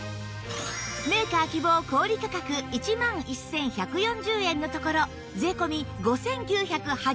メーカー希望小売価格１万１１４０円のところ税込５９８０円